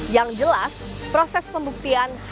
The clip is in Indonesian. yang jelas proses pembuktian hanya berakhir